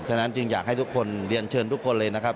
ฉะนั้นจึงอยากให้ทุกคนเรียนเชิญทุกคนเลยนะครับ